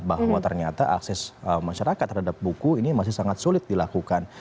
bahwa ternyata akses masyarakat terhadap buku ini masih sangat sulit dilakukan